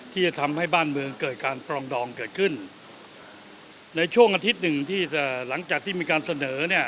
ที่จะทำให้บ้านเมืองเกิดการปรองดองเกิดขึ้นในช่วงอาทิตย์หนึ่งที่จะหลังจากที่มีการเสนอเนี่ย